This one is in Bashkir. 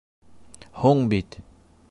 Һуң бит...